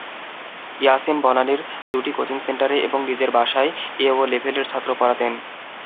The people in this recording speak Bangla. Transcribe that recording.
ইয়াসিন বনানীর দুটি কোচিং সেন্টারে এবং নিজের বাসায় এ-ও লেভেলের ছাত্র পড়াতেন।